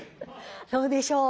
そうでしょう？